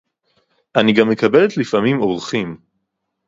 אני גם מקבלת לפעמים אורחים.